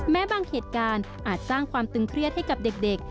บางเหตุการณ์อาจสร้างความตึงเครียดให้กับเด็ก